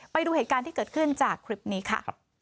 ไปดูเหตุการณ์ที่เกิดขึ้นจากคลิปนี้ค่ะ